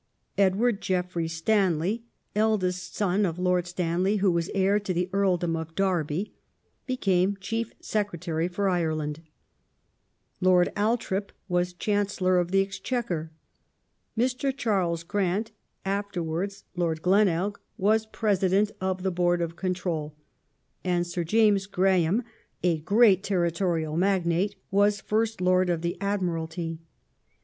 Edward Geoffrey Stanley (eldest son of Lord Stanley, who was heir to the Earldom of Derby) became Chief Secretary for Ireland ; Lord Al thorp was Chancellor of the Exchequer ; Mr. Charles Grant (afterwards Lord Glenelg) was President of the Board of Control, and Sir James Graham, a great territorial magnate, was Fii st Lord of the Admiralty.